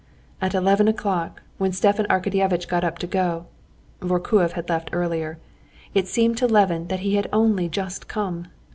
At eleven o'clock, when Stepan Arkadyevitch got up to go (Vorkuev had left earlier), it seemed to Levin that he had only just come.